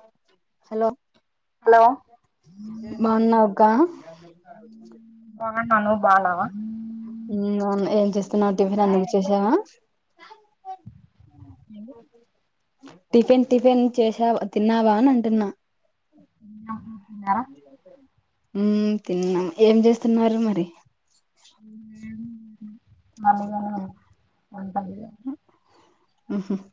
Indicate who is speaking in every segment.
Speaker 1: ఓ hello
Speaker 2: hello
Speaker 1: బాగున్నావాక్క మ
Speaker 2: బాగున్నా నువ్వు బాగున్నావా
Speaker 1: మ్మ్ బాగున్నా ఏం చేస్తున్నావ్ టిఫిన్ అందుకు చేశావా
Speaker 2: ఏంది
Speaker 1: టిఫిన్ టిఫిన్ చేశావ్ తిన్నావా అని అంటున్నా
Speaker 2: తిన్న నువ్ తిన్నావా
Speaker 1: మ్మ్ తిన్నాం ఏం చేస్తున్నారు మరి
Speaker 2: మళ్లీగానను ఉంటదిగా
Speaker 1: మ్మ్ హ్మ్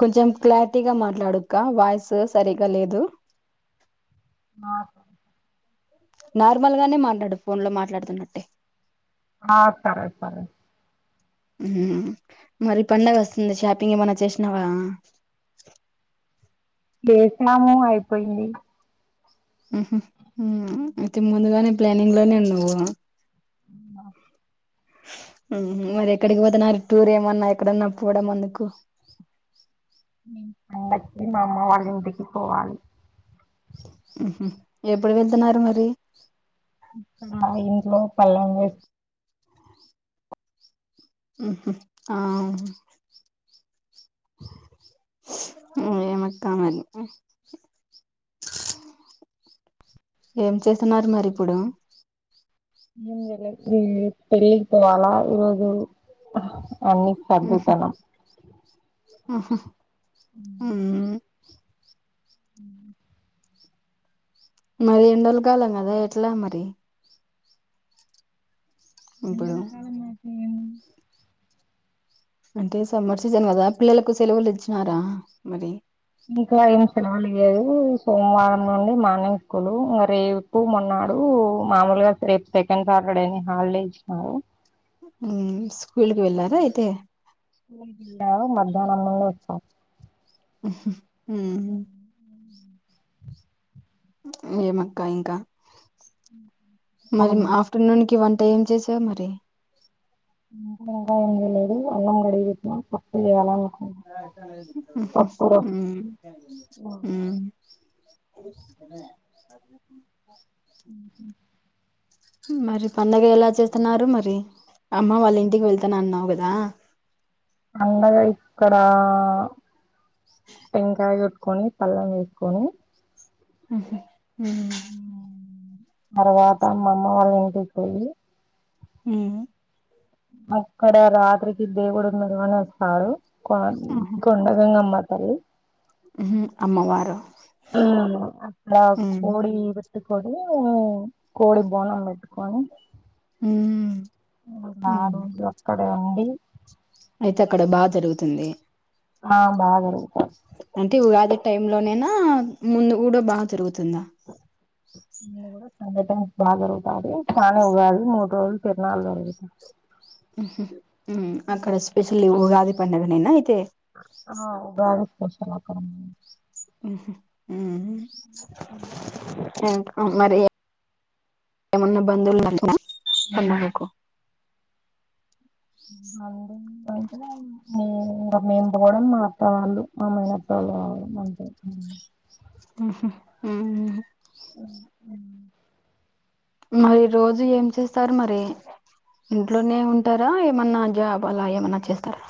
Speaker 1: కొంచెం క్లారిటీగా మా ట్లాడుక్కా వాయిస్ సరిగా లేదు
Speaker 2: ఆ సరే సరె
Speaker 1: నార్మల్ గానే మాట్లాడు ఫోన్ లో మాట్లాడుతున్నట్టే
Speaker 2: ఆ సరే సరే
Speaker 1: మ్మ్ మరి పండగ వస్తుంది షాపింగ్ ఏమన్నా చేసినవా.
Speaker 2: చేసినాము అయిపోయింది
Speaker 1: మ్ హ్మ్ మ్మ్ అయితే ముందుగానే ప్లానింగ్ లోనేే ఉన్నావ
Speaker 2: వున్నా
Speaker 1: మరి ఎక్కడికి పోతున్నారు టూర్ ఏమన్నా ఎక్కడన్నా పోవడం అందుకు.
Speaker 2: మేం పండక్కి మా అమ్మ వాళ్ళ ఇంటికి పోవాలి
Speaker 1: మ్మ్ హ్మ్ ఎప్పుడు వెళ్తున్నారు మరి
Speaker 2: పల్లెం వేస్
Speaker 1: మ్మ్ హ్మ్ ఆ ఏమక్క మరి ఏం చేస్తున్నారు మరి ఇప్పుడు.
Speaker 2: ఏంజేయల మ్మ్ పెళ్ళికి పోవాలా ఈరోజు అన్ని
Speaker 1: ఉహు
Speaker 2: సర్దుతన్నం
Speaker 1: ఆహా హ్మ్మ్
Speaker 2: మ్మ్ హ్మ్
Speaker 1: మరి ఎండల్ కాలం కదా ఎట్లా మరి ఇప్పుడు
Speaker 2: ఎండల కాలం అయితే ఏముంది
Speaker 1: అంటే సమ్మర్ సీజన్ కదా పిల్లలకు సెలవులు ఇచ్చినారా మరి
Speaker 2: ఇంకా ఏం సెలవలి ఇయలేదు సోమవారం నుండి మార్నింగ్ స్కూల్ మరి రేపూ, మొన్నాడు మామూలుగా రేపు సెకండ్ సాటర్ డే అని హాలిడే ఇచ్చినారు.
Speaker 1: మ్మ్ స్కూల్కి వెళ్లారా అయితే
Speaker 2: ఉండారు మధ్యానం నుండి ఇడుచ్చాం
Speaker 1: హ్హ్ హ్మ్ ఉమ్ ఏం అక్క ఇంకా మరి
Speaker 2: అలము
Speaker 1: ఆఫ్టర్నూన్ కి వన్ ఏం చేశావ్ మరి
Speaker 2: కాం లేదు అన్నం కడిగి పెట్టిన పప్పుల
Speaker 1: ఉమ్ ఉమ్ [unintelligible]
Speaker 2: ఉహుమ్
Speaker 1: మరి పండగ ఎలా చేస్తున్నారు మరి అమ్మ వాళ్ళ ఇంటికి వెళ్తాన అన్నావు కదా
Speaker 2: అన్నగా ఇక్కడ టెంకాయ కని పళ్లెం వేసుకొని
Speaker 1: ఆహా ఉమ్
Speaker 2: తర్వాత అమ్మమ్మ వాళ్ళ ఇంటికి పోయి
Speaker 1: ఆమ్
Speaker 2: అక్కడ రాత్రికి దేవుడు ఉన్నారు అని వస్తారు కొ
Speaker 1: ఆహా
Speaker 2: కొండ గంగామ్మా హలో
Speaker 1: ఉహు అమ్మవారు
Speaker 2: అప్పుడా
Speaker 1: ఉమ్
Speaker 2: కోడి కొడి కోడి బోండాం పెట్టు కోక్క
Speaker 1: ఉమ్ అవును
Speaker 2: [unintelligible] రండి
Speaker 1: అయితే అక్కడ బాగా జరుగుతుంది
Speaker 2: హా బాగా జరుగుతది
Speaker 1: అంటే ఉగాది టైం లోనేనా ముందు కూడా బాగా జరుగుతుందా
Speaker 2: న కూడా సంఘటన బాగా దొరుగుతది చానే ఉగాది మూడు రోజులు తిరునాలు జరుగుతది
Speaker 1: ఉమ్ అక్కడ స్పెషల్లీ ఉగాది పండుగ నేనా అయితే
Speaker 2: బ [unintelligible]
Speaker 1: ఉహుమ్ ఉమ్
Speaker 2: అ
Speaker 1: మరి ఏమన్నా బంధవులున్నార నీకు ఉన్నారు
Speaker 2: మ అంటే ఇంకా మేము పోవడం మా అత్తవాళ్ళు మా మేన అత్తల వాళ్ళు పోవడం అంతే
Speaker 1: ఉహుమ్ ఉమ్ మరి రోజు ఏం చేస్తారు మరి ఇంట్లోనే ఉంటారా ఏమన్నా జాబ్ అలా ఏమన్నా చేస్తారా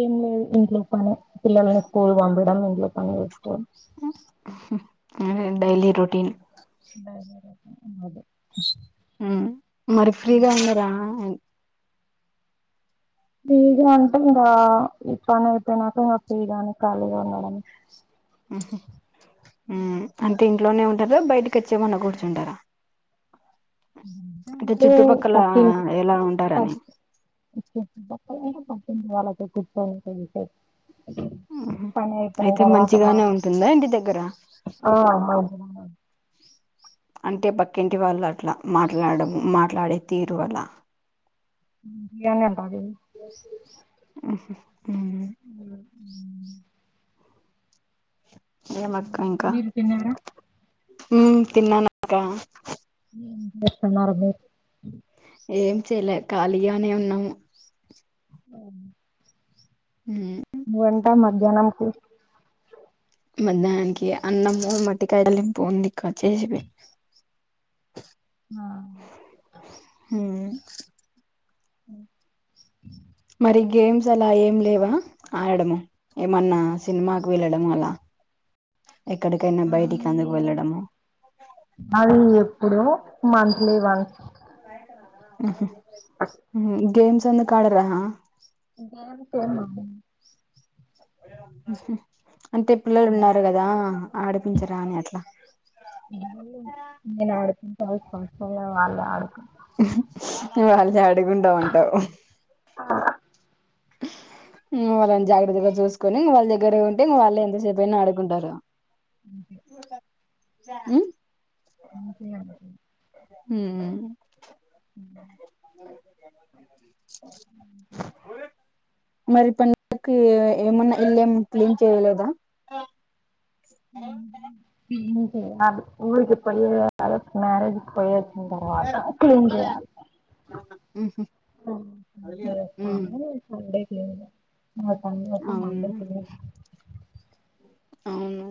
Speaker 2: ఏం లేదు ఇంట్లో పని పిల్లలని స్కూల్ పంపిడం ఇంట్లో పని చేస్తుకోడం
Speaker 1: అదే డైలీ రొటీన్
Speaker 2: అదే
Speaker 1: హు మరి ఫ్రీగా ఉన్నార ఆన్
Speaker 2: ఫ్రీగా అంటే ఇంకా ఈ పని అయిపోయినాక ఇంగ ఫ్రీగానే ఖాళీగా ఉండడం
Speaker 1: ఆహా హు అంతే ఇన్ ట్లోనే ఉంటారు బయటకచ్చేమన్నా కూర్చుంటారా అంటే
Speaker 2: హ్మ్ [unintelligible] [unintelligible]
Speaker 1: చుట్టుపక్కల ఎలా ఉంటారని
Speaker 2: పక్కింటి వాళ్ల తో
Speaker 1: మ్ హు అయితే మంచిగానే
Speaker 2: మాట్లా
Speaker 1: ఉంటుందా ఇంటి దగ్గర
Speaker 2: ఆ మంచిగానే
Speaker 1: అంటే పక్కింటి వాళ్ళు అట్లా మాట్లాడము మాట్లాడే తీరు అలా
Speaker 2: ట్లోనే ఉంటది
Speaker 1: మ్ హు మ్మ్మ్
Speaker 2: మీరు తిన్నారా
Speaker 1: హు తిన్నానక్క
Speaker 2: ఎం చేస్తున్నారు మీర్
Speaker 1: ఏం చెయలే ఖాళీగానే ఉన్నాము
Speaker 2: అవ్
Speaker 1: హుమ్
Speaker 2: వంటా మధ్యానంకి
Speaker 1: మధ్యానానికి అన్నము మట్టికాడలింపు ఉంది కడ్ చేసి పెట్
Speaker 2: ఆ
Speaker 1: హుమ్
Speaker 2: [inaudible]
Speaker 1: రి గేమ్స్ అలా ఏం లేవా ఆడడము ఏమన్నా సినిమాకు వెళ్ళడం అలా ఎక్కడికైనా
Speaker 2: అదీ
Speaker 1: బయటికి అందుకు వెళ్ళడము
Speaker 2: అది ఎప్పుడొ మంత్లీ వన్ [inaudible]
Speaker 1: మ్మ్ హు మ్ హు గేమ్స్ ఎందుకాడరా
Speaker 2: [inaudible]
Speaker 1: అంటే పిల్లలు ఉన్నారు కదా ఆడిపించరా అని అట్లా
Speaker 2: నేను ఆడిపించాల్సిన అవసరం లేదు వాళ్ళే అడ్
Speaker 1: వాళ్ళే అడ్ డుకుంమంటావు హు వాళ్ళని జాగ్రత్తగ చూసుకొని వాళ్ళ దగ్గర ఉంటే ఇగ వాల్లే ఎంతసేపైనా ఆడుకుంటారు
Speaker 2: [inaudible]
Speaker 1: మ్మ్
Speaker 2: అంతే అండి
Speaker 1: మ్మ్
Speaker 2: మ్మ్
Speaker 1: [unintelligible]
Speaker 2: [unintelligible]
Speaker 1: మరి పనికి ఏమన్న ఎల్లేముందు క్లీన్ చేయలేద
Speaker 2: హ్మ్ హు [inaudible] ఆ తర్వాత క్లీన్ జేయాలి సండే చెయ్యల ఆ టైం లోపు
Speaker 1: అవును
Speaker 2: మండే తినేస్త
Speaker 1: అవునూ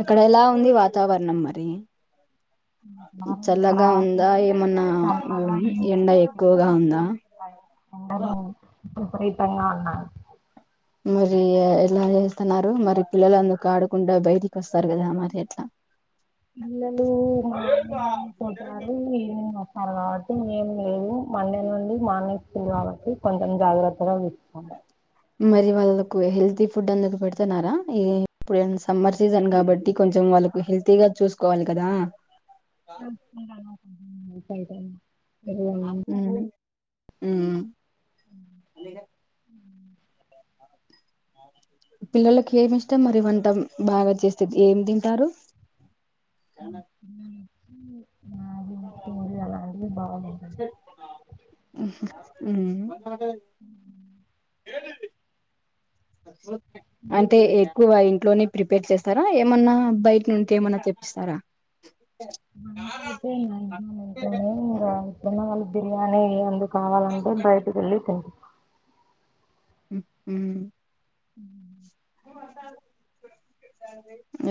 Speaker 1: అక్కడెలా ఉంది వాతావరణం నం మరి
Speaker 2: మ్మ్
Speaker 1: చల్లగా ఉందా
Speaker 2: బాగుంది
Speaker 1: ఏమన్నా
Speaker 2: [unintelligible] చల్లగా ఏం
Speaker 1: ఎండ
Speaker 2: లేదు
Speaker 1: ఎక్కువగా ఉందా
Speaker 2: ఎండగా ఉంది విపరీతంగా ఉన్నాద్
Speaker 1: మరీ ఎలా జేస్తన్నారు మరి పిల్లలందు కాడకుండా బయటికి కొస్తారు కదా మరి ఎట్ల
Speaker 2: పిల్లలు మార్నింగ్ పోతారు ఈవినింగ్ వస్ ఆ మేము లేము మండే నుండి మా అనైకి తెల్వబట్టి కొంచెం జాగ్రత్తగా చూసుకోవ్
Speaker 1: పూ హెల్తీ ఫుడ్ అందుకు పెడుతున్నారా? ఈ ఇప్పుడు సమ్మర్ సీజన్ కాబట్టి కొంచెం వాళ్ళకు హెల్తీగా చూసుకోవాలి కదా. !
Speaker 2: చెప్కుంటణం మ్మ్ ఇన్కైటం
Speaker 1: మ్మ్ ఉ
Speaker 2: ఉ
Speaker 1: పిల్లలకి ఏమి ఇష్టం మరి వంటాం బాగా చేస్తేది. ఏం తింటారు?
Speaker 2: ఊ
Speaker 1: ఉహ్
Speaker 2: బాగుంటాయి
Speaker 1: హు మ్మ్ [unintelligible] అంటే ఏ ఎక్కువ ఇంట్లోనే ప్రిపేర్ చేస్తారా? ఏమన్నా బయట్నుంచి ఏమన్నా తెప్పిస్తారా?
Speaker 2: మంత్ అయిపోయిందా [unintelligible] మొన్న వాళ్లు బిర్యానీ ఏయ్ అందూ కావాలంటే బయటికేళ్ళి తింట్
Speaker 1: ఉహ్ హు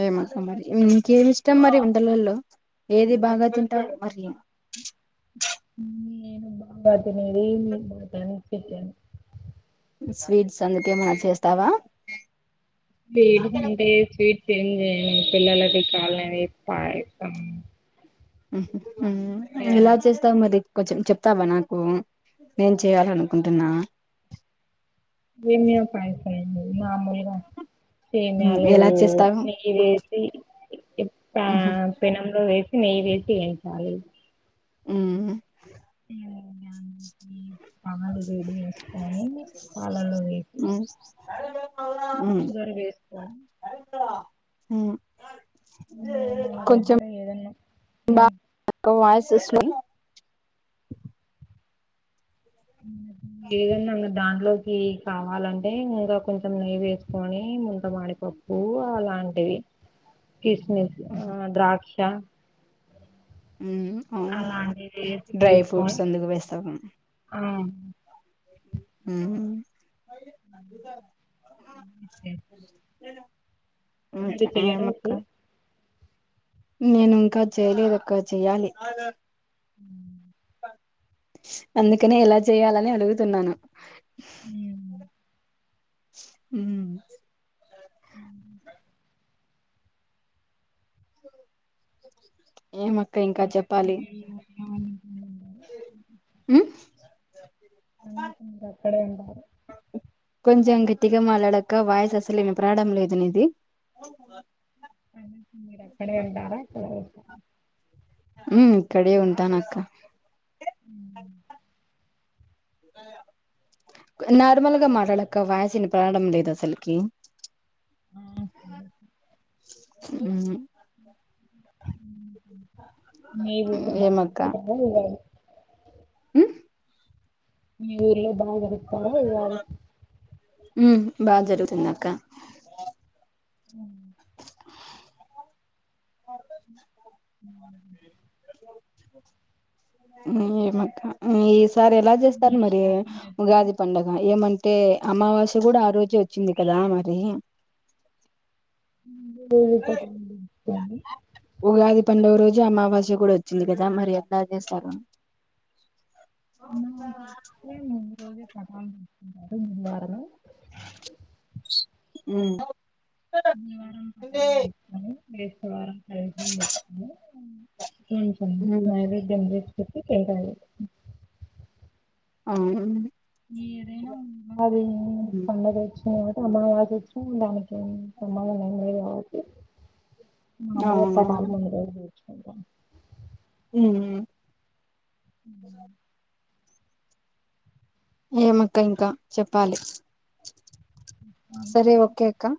Speaker 1: ఏ మా సమ్మరీ మ్మ్ ఎ ఇష్టం మరి ఉంటల వాలో ఏది బాగా తింటావు మరి
Speaker 2: నేను బాతమెళ్ళి బాతాని తెచ్చాను.
Speaker 1: స్వీట్స్ అందుకేమన్న చేస్తావా?
Speaker 2: వేడిగుంటే స్వీట్ చేంజ్ అయ్యీ పిలలకి కాలది పాయసం
Speaker 1: ఉహ్ మ్మ్
Speaker 2: ఏదన్నా
Speaker 1: ఎలా చేస్తావ్ మరి? కొంచెం చెప్తావా నాకు. నేను చెయాల అనుకుంటున్నా
Speaker 2: ఏం జయం పాయసమైంది మామూల్గా సేమీయాలు
Speaker 1: ఎలా చేస్తావు
Speaker 2: నెయ్యి వేసి ఎప్ ప పెనంలో వేస్ న వేతి అ చాల [unintelligible]
Speaker 1: మ్మ్
Speaker 2: ఏ [unintelligible] పాలు వేడి చేసుకొని పాలలు వేసి షుగర్ వేసుకొని
Speaker 1: హ్మ్
Speaker 2: మ్మ్ మన దగ్గర ఏదన్నా
Speaker 1: చూసినం
Speaker 2: ఏదన్న ఇంగ దాంట్లోకి కావాలంటే ఇంకా కొంచెం నెయ్యి వేసుకొని ముంత మాడిపప్పు అలాంటివి కిస్మిస్ ఆ ద్రాక్ష
Speaker 1: అవును
Speaker 2: అలాంటి ఏది
Speaker 1: డ్రై
Speaker 2: చేసి
Speaker 1: ఫ్రూట్స్
Speaker 2: కొని
Speaker 1: అందుకు వేస్తాము
Speaker 2: ఆ
Speaker 1: మ్మ్ హు
Speaker 2: [unintelligible]
Speaker 1: [inaudible]
Speaker 2: మీరు చెయ్యరా
Speaker 1: ఏమక్క
Speaker 2: ఎప్పుడూ
Speaker 1: నేను ఇంకా చేయలేదు అక్క చెయాలి
Speaker 2: మ్మ్
Speaker 1: అందుకనే ఎలా చేయాలని అడుగుతున్నాను
Speaker 2: ఉమ్.
Speaker 1: ఉమ్
Speaker 2: అ
Speaker 1: ఏమక్క ఇంకా చెప్పాలి
Speaker 2: అవును
Speaker 1: హమ్
Speaker 2: అంగ అక్కడే ఉంటారు
Speaker 1: కొంచెం గట్టిగా మాట్లాడక్క వాయిస్ అసలు వినపడడం లేదు నీది
Speaker 2: అ మీరక్కడే ఉంటారా
Speaker 1: ఉ ఇక్కడే ఉంటాను అక్క
Speaker 2: ఉమ్
Speaker 1: [unintelligible] నార్మల్ గా మాట్లాడక్క వాయిస్ పడడం లేదు అసలకి
Speaker 2: ఆ
Speaker 1: ఆ ఉమ్
Speaker 2: నఊ మా
Speaker 1: ఏమక్క
Speaker 2: ఉ
Speaker 1: ఉమ్
Speaker 2: ఊలో అరుతాారు [unintelligible]
Speaker 1: ఉమ్ బాగా జరుగుతుంది అక్క
Speaker 2: ఉ ఉ
Speaker 1: ఏమక్క సారి ఎలా చేస్తారు
Speaker 2: మీది
Speaker 1: మరి
Speaker 2: షాపింగ్ అయిపోయిందా
Speaker 1: ఉగాది పండగ ఏమంటే అంటే అమావాస్య కూడా ఆ రోజే వచ్చింది కదా మరి
Speaker 2: పోవే పో
Speaker 1: ఉగాది పండుగ రోజు అమావాస్య కూడా వచ్చింది కదా మరి అంత చేస్తారు
Speaker 2: నా మ రోజే కట్టా అతని ద్వారా
Speaker 1: ఉ
Speaker 2: ని వారం కట్టా ఎతవార అ ఏ
Speaker 1: ఉమ్
Speaker 2: నైవేద్యం చెపితే ఇంటెల్
Speaker 1: ఆ
Speaker 2: ఏ ఏదైన ఆది
Speaker 1: ఉమ్
Speaker 2: పన్నద [inaudible] [inaudible] [inaudible]
Speaker 1: అవును
Speaker 2: చేద్దాం
Speaker 1: హ్మ్
Speaker 2: హ్మ్
Speaker 1: ఏమక్క ఇంక చెప్పాలి సరే ఓకే అక్క